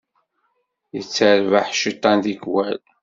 Yetterbaḥ cciṭan tikwal.